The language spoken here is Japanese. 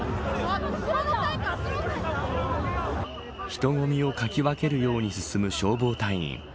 人混みをかき分けるように進む消防隊員。